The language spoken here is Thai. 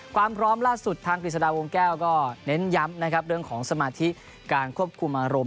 ความพร้อมล่าสุดทางกฤษฎาวงแก้วก็เน้นย้ำนะครับเรื่องของสมาธิการควบคุมอารมณ์